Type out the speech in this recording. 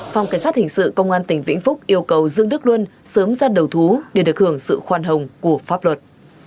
phòng cảnh sát hình sự công an tỉnh vĩnh phúc yêu cầu dương đức luân sớm ra đầu thú để được hưởng sự khoan hồng của pháp luật